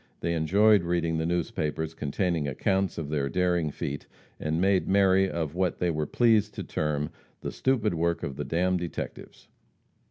They enjoyed reading the newspapers containing accounts of their daring feat, and made merry at what they were pleased to term "the stupid work of the d d detectives."